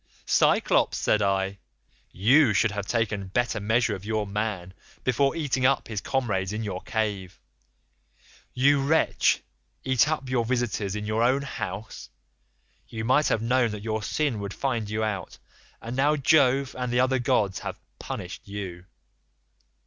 "'Cyclops,' said I, 'you should have taken better measure of your man before eating up his comrades in your cave. You wretch, eat up your visitors in your own house? You might have known that your sin would find you out, and now Jove and the other gods have punished you.